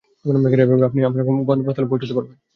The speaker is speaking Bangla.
এভাবে আপনি আপনার গন্তব্যস্থল পৌঁছতে পারবেন।